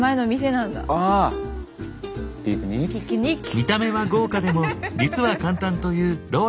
見た目は豪華でも実は簡単というローラさんの料理。